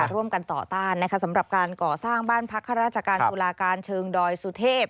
ร่วมกันต่อต้านสำหรับการก่อสร้างบ้านพักข้าราชการตุลาการเชิงดอยสุเทพ